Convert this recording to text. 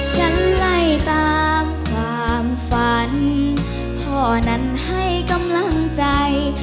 ฉันไล่ตามความฝันพ่อนั้นให้กำลังใจ